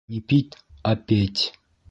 — Не пить, а петь!